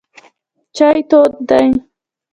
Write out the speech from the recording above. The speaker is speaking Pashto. چای تود دی.